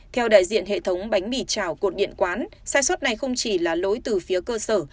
theo đại diện hệ thống bánh mì trào cột điện quán sai suất này không chỉ là lỗi từ phía cơ sở